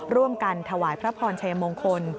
ร่วมกันถวายพระพรชัยมงคล